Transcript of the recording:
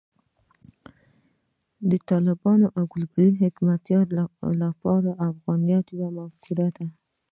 د طالب او ګلبدین لپاره افغانیت یوه مفکوره ده.